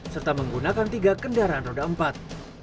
serta menggunakan tiga kendaraan roda empat